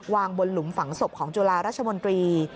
วางบนหลุมฝังศพของจุฬาราชมนตรี